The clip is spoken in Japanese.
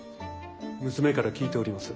娘から聞いております。